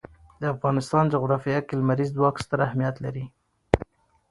د افغانستان جغرافیه کې لمریز ځواک ستر اهمیت لري.